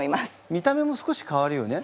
見た目も少し変わるよね？